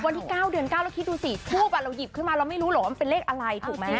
วันที่๙เดือน๙เราคิดดูสิทูปเราหยิบขึ้นมาเราไม่รู้หรอกว่ามันเป็นเลขอะไรถูกไหม